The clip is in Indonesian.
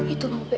itu bang ube